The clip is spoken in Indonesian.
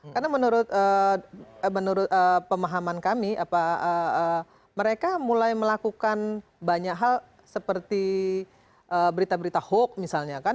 karena menurut pemahaman kami mereka mulai melakukan banyak hal seperti berita berita hoax misalnya kan